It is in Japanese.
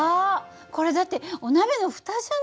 これだってお鍋の蓋じゃない！